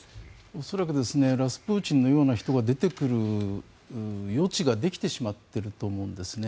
恐らくラスプーチンのような人が出てくる余地ができてしまっていると思うんですね。